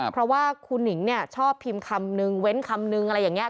เพราะว่าครูหนิงเนี่ยชอบพิมพ์คำนึงเว้นคำนึงอะไรอย่างนี้